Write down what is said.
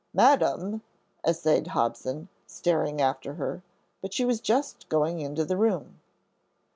"Madam," essayed Hobson, starting after her, but she was just going into the room.